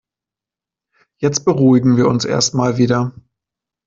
Jetzt beruhigen wir uns erst mal wieder.